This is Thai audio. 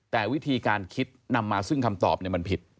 แต่วิธีการคิดนำมาซึ่งคำตอบมันผิด